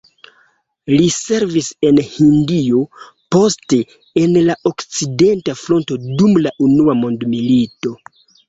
Li servis en Hindio, poste en la okcidenta fronto dum la unua mondmilito.